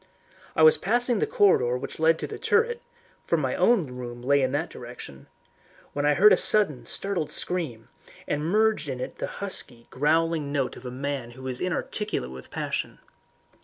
I was passing the corridor which led to the turret for my own room lay in that direction when I heard a sudden, startled scream, and merged in it the husky, growling note of a man who is inarticulate with passion.